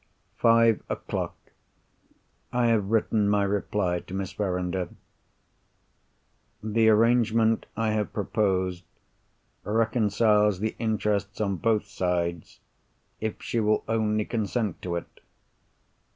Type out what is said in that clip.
Five o'clock.—I have written my reply to Miss Verinder. The arrangement I have proposed reconciles the interests on both sides, if she will only consent to it.